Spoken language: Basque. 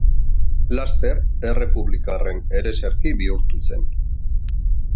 Laster errepublikarren ereserki bihurtu zen.